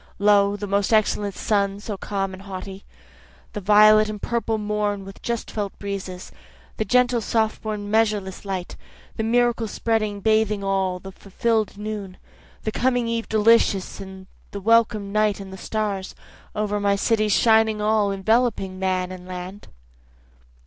Lo, the most excellent sun so calm and haughty, The violet and purple morn with just felt breezes, The gentle soft born measureless light, The miracle spreading bathing all, the fulfill'd noon, The coming eve delicious, the welcome night and the stars, Over my cities shining all, enveloping man and land.